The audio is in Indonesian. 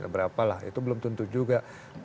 berapa lah itu belum tentu juga